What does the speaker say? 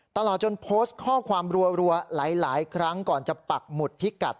ตลอดจนโพสต์ข้อความรัวหลายครั้งก่อนจะปักหมุดพิกัด